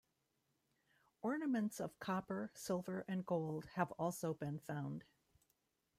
Ornaments of copper, silver and gold have also been found.